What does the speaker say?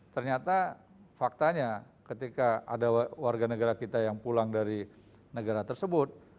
ternyata faktanya ketika ada warga negara kita yang pulang dari negara tersebut